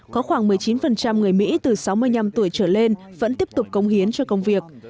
có khoảng một mươi chín người mỹ từ sáu mươi năm tuổi trở lên vẫn tiếp tục công hiến cho công việc